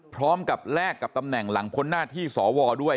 พร้อมกับแลกกับตำแหน่งหลังคนนาธิสอวอด้วย